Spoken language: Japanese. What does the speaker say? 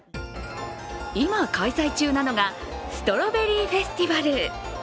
今、開催中なのがストロベリーフェスティバル。